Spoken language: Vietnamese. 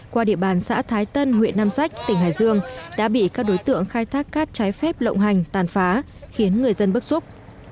qua địa bàn xã thái tân huyện nam sách tỉnh hải dương đã bị các đối tượng khai thác cát trái phép lộng hành tàn phá khiến người dân bức xúc